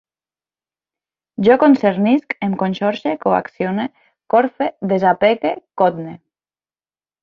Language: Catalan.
Jo concernisc, em conxorxe, coaccione, corfe, desapegue, cotne